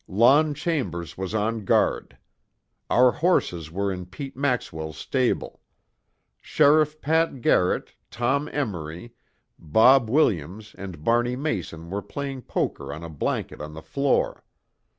Lon Chambers was on guard. Our horses were in Pete Maxwell's stable. Sheriff Pat Garrett, Tom Emory, Bob Williams, and Barney Mason were playing poker on a blanket on the floor.